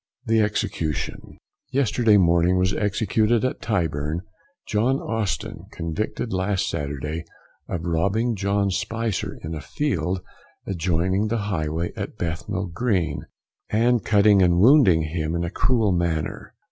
THE EXECUTION. Yesterday morning was executed, at Tyburn, John Austin, convicted last Saturday of robbing John Spicer in a field adjoining the highway at Bethnal green, and cutting and wounding him in a cruel manner.